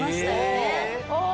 ああ！